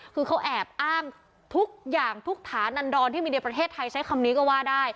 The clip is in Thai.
คือเขาแอบอ้างทุกอย่างทุกฐานันดรที่มีในประเทศไทยใช้คำนี้ก็ว่าได้